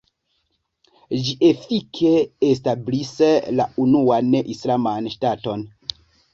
Ĝi efike establis la unuan islaman ŝtaton.